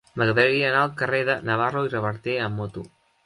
M'agradaria anar al carrer de Navarro i Reverter amb moto.